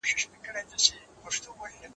چي د ښار خلک به ستړي په دعا کړم